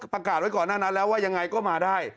ประกาศไว้ก่อนหน้านั้นแล้วว่ายังไงก็มาได้